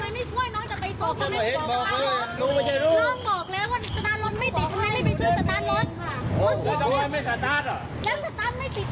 นี่ดูสิ